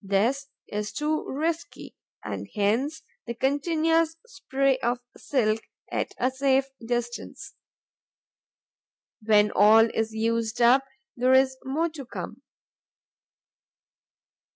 This is too risky; and hence the continuous spray of silk, at a safe distance. When all is used up, there is more to come.